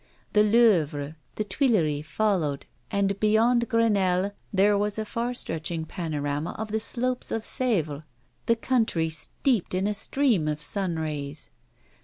The Louvre, the Tuileries followed, and beyond Grenelle there was a far stretching panorama of the slopes of Sevres, the country steeped in a stream of sun rays.